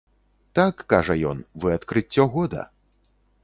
Так, кажа ён, вы адкрыццё года.